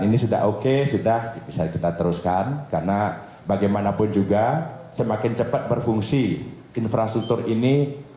ini sudah oke sudah bisa kita teruskan karena bagaimanapun juga semakin cepat berfungsi infrastruktur ini